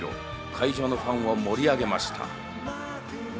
会場のファンを盛り上げました。